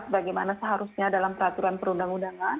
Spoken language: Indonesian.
bagaimana seharusnya dalam peraturan perundang undangan